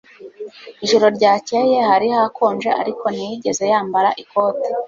Ijoro ryakeye hari hakonje, ariko ntiyigeze yambara ikote.